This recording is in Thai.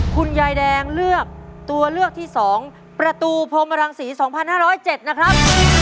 คุณยายแดงเลือกตัวเลือกที่๒ประตูพรมรังศรี๒๕๐๗นะครับ